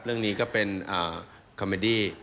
เรื่องนี้ก็เป็นคอมเมดี้